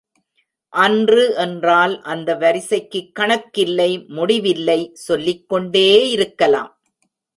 அன்று என்றால் அந்த வரிசைக்குக் கணக்கில்லை முடிவில்லை சொல்லிக்கொண்டே இருக்கலாம்.